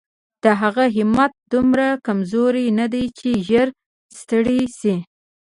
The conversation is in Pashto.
د هغې همت دومره کمزوری نه دی چې ژر ستړې شي.